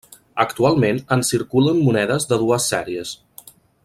Actualment en circulen monedes de dues sèries.